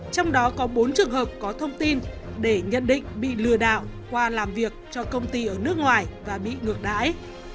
trong đó có bốn trường hợp có thông tin để nhận định bị lừa đảo qua làm việc cho công ty ở nước ngoài và bị ngược đãi